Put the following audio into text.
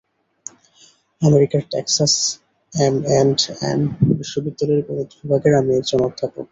আমেরিকার Texas M and N বিশ্ববিদ্যালয়ের গণিত বিভাগের আমি একজন অধ্যাপক।